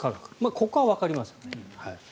ここはわかりますよね。